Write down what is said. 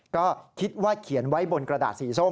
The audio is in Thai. ก็คิดว่าเขียนไว้บนกระดาษสีส้ม